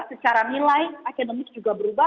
secara nilai akademik juga berubah